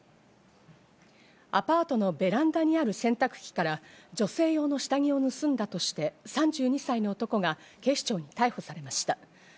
アパートのベランダにある洗濯機から女性用の下着を盗んだとして、３２歳の男が警視庁に逮捕されました。